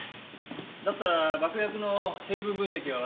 だったら爆薬の成分分析は私が。